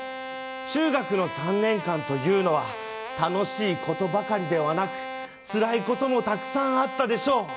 中学の３年間というのは楽しいことばかりではなくつらいこともたくさんあったでしょう。